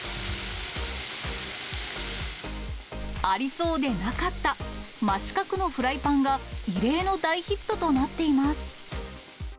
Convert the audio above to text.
ありそうでなかった、真四角のフライパンが、異例の大ヒットとなっています。